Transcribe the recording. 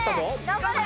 頑張れ！